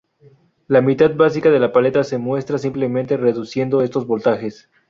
La mitad básica de la paleta se muestra simplemente reduciendo estos voltajes.